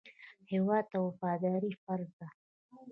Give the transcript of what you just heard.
هېواد ته وفاداري فرض ده